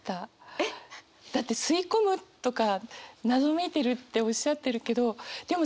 えっ？だって「吸い込む」とか「謎めいてる」っておっしゃってるけどでも